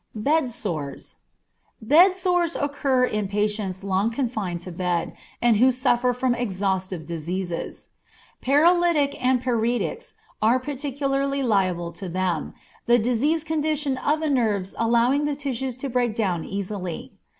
Bed Sores. Bed sores occur in patients long confined to bed, and who suffer from exhaustive diseases. Paralytics and paretics are particularly liable to them, the diseased condition of the nerves allowing the tissues to break down easily.